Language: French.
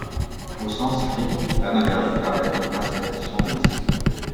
Au sens strict, l'anagarika est donc ascète sans domicile.